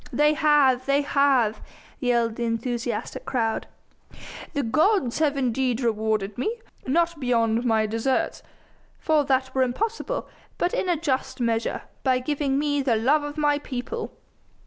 "They have! They have!" yelled the enthusiastic crowd. "The gods have indeed rewarded me not beyond my deserts, for that were impossible but in a just measure, by giving me the love of my people."